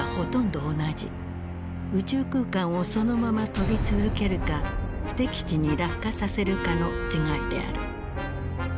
宇宙空間をそのまま飛び続けるか敵地に落下させるかの違いである。